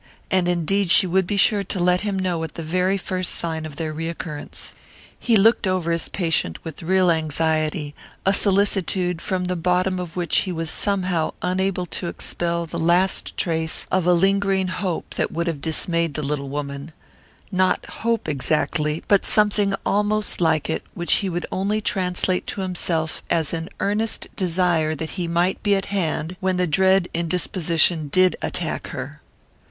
And indeed she would be sure to let him know at the very first sign of their recurrence. He looked over his patient with real anxiety, a solicitude from the bottom of which he was somehow unable to expel the last trace of a lingering hope that would have dismayed the little woman not hope, exactly, but something almost like it which he would only translate to himself as an earnest desire that he might be at hand when the dread indisposition did attack her.